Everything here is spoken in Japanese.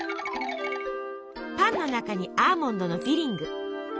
パンの中にアーモンドのフィリング。